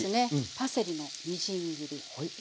パセリのみじん切り。